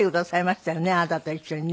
あなたと一緒にね。